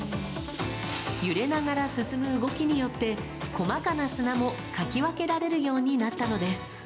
揺れながら進む動きによって、細かな砂もかき分けられるようになったのです。